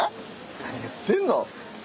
何言ってんの。